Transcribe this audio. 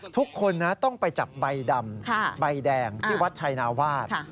ทุกคนนะต้องไปจับใบดำใบแดงที่วัดชัยนาวาส